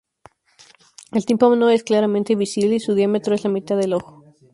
El tímpano es claramente visible y su diámetro es la mitad del ojo.